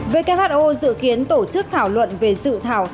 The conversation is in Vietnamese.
who dự kiến tổ chức thảo luận về sự thảo thoát